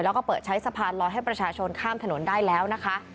แล้วก็เปิดใช้สะพานลอยให้ประชาชนข้ามถนนได้แล้วนะคะ